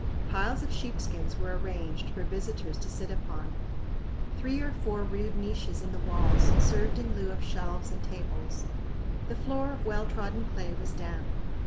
Piles of sheep skins were arranged for visitors to sit upon. Three or four rude niches in the walls served in lieu of shelves and tables. The floor of well trodden clay was damp.